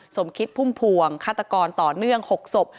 สมคิดพุ่มพวงฆาตกรต่อเนื่อง๖ศพ